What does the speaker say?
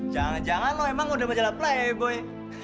jangan jangan lo emang udah majalah playboy